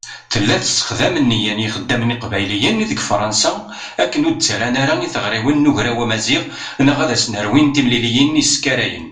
Tella tessexdam nniya n yixeddamen iqbayliyen deg Fṛansa akken ur d-ttarran ara i tiɣriwin n Ugraw Amaziɣ neɣ ad s-nerwin timliliyin iskarayen.